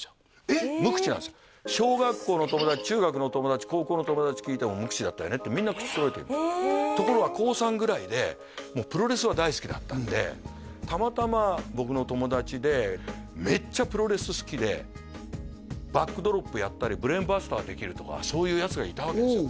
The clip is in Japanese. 無口なんですよ小学校の友達中学の友達高校の友達聞いても無口だったよねってみんな口揃えて言うところが高３ぐらいでもうたまたま僕の友達でめっちゃプロレス好きでバックドロップやったりブレーンバスターできるとかそういうヤツがいたわけですよ